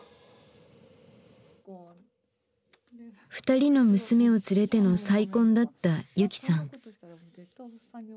２人の娘を連れての再婚だった雪さん。